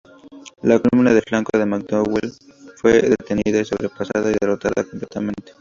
La columna del flanco de McDowell fue detenida, sobrepasada y derrotada completamente.